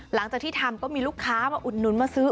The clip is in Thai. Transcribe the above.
หลังจากที่ทำก็มีลูกค้าประจำมาซื้อ